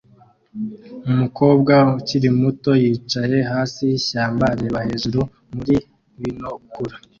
Umukobwa ukiri muto yicaye hasi yishyamba areba hejuru muri binokula